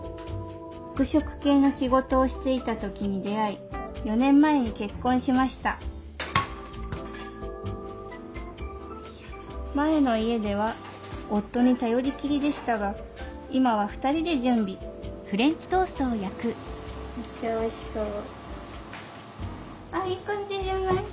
服飾系の仕事をしていた時に出会い４年前に結婚しました前の家では夫に頼りきりでしたが今は２人で準備むっちゃおいしそう。